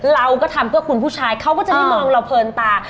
เราก็ทำเพื่อคุณผู้ชายเขาก็จะได้มองเราเพลินตา